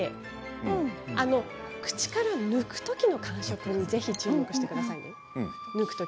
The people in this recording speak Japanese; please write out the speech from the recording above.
口から抜く時の感触にぜひ注目してください。